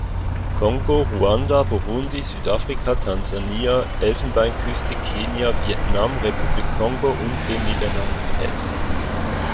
Kongo, Ruanda, Burundi, Südafrika, Tansania, Elfenbeinküste, Kenia, Vietnam, Republik Kongo und den Niederlanden tätig.